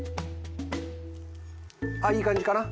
あいい感じかな？